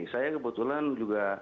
saya kebetulan juga